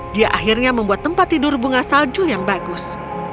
dia akhirnya membuat tempat tidur bunga salju yang bagus